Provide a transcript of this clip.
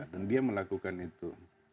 dan dia melakukan itu